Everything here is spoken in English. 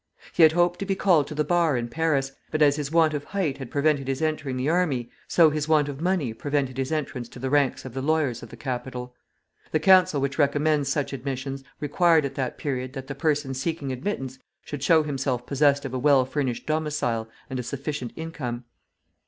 He had hoped to be called to the Bar in Paris; but as his want of height had prevented his entering the army, so his want of money prevented his entrance to the ranks of the lawyers of the capital. The council which recommends such admissions required at that period that the person seeking admittance should show himself possessed of a well furnished domicile and a sufficient income.